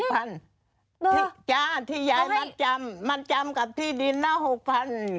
พี่จ้าที่ยายมัดจำมัดจำกับที่ดินนะ๖๐๐บาท